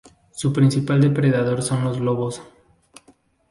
Su principal depredador son los lobos.